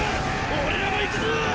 俺らも行くぞ！